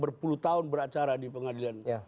berpuluh tahun beracara di pengadilan